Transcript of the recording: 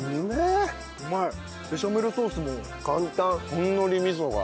ほんのり味噌が。